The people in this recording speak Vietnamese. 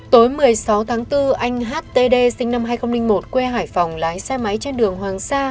tối một mươi sáu tháng bốn anh htd sinh năm hai nghìn một quê hải phòng lái xe máy trên đường hoàng sa